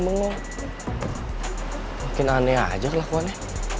makin aneh aja kelakuannya